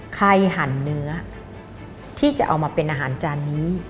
หั่นเนื้อที่จะเอามาเป็นอาหารจานนี้